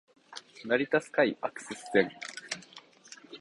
成田スカイアクセス線